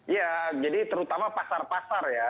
ya jadi terutama pasar pasar ya